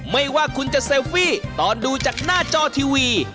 ไม่ว่าคุณจะเซลฟี่ตอนดูจากหน้าจอทีวี